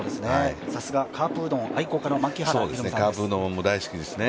さすが、カープうどん愛好家の槙原さんですね。